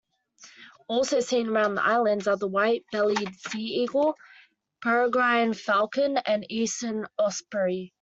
Also seen around the islands are the white-bellied sea-eagle, peregrine falcon and eastern osprey.